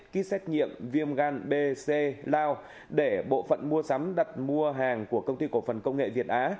ký xét nghiệm viêm gan b c lao để bộ phận mua sắm đặt mua hàng của công ty cổ phần công nghệ việt á